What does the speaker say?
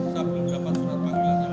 saya belum dapat surat panggilan dari sekarang